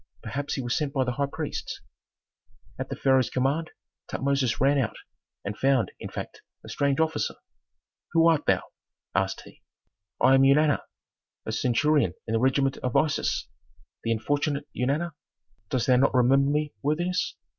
Perhaps he was sent by the high priests." At the pharaoh's command Tutmosis ran out, and found, in fact, a strange officer. "Who art thou?" asked he. "I am Eunana, a centurion in the regiment of Isis. The unfortunate Eunana. Dost thou not remember me, worthiness?